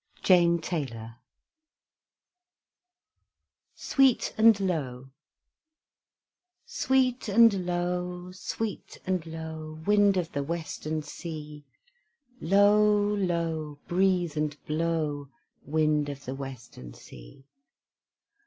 JANE TAYLOR SWEET AND LOW Sweet and low, sweet and low, Wind of the western sea, Low, low, breathe and blow, Wind of the western sea!